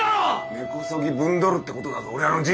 根こそぎぶんどるってことだぞ俺らの人生を！